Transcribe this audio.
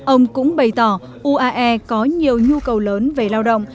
ông cũng bày tỏ uae có nhiều nhu cầu lớn về lao động